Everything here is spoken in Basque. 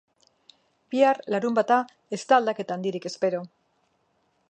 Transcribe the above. Bihar, larunbata, ez da aldaketa handirik espero.